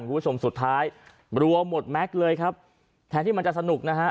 คุณผู้ชมสุดท้ายรัวหมดแม็กซ์เลยครับแทนที่มันจะสนุกนะฮะ